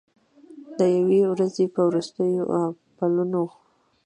د یوې ورځې په وروستیو پلونو